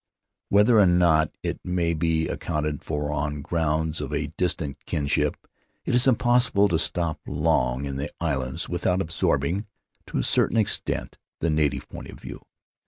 "Whether or not it may be accounted for on grounds of a distant kinship, it is impossible to stop long in the islands without absorbing, to a certain extent, the native point of view.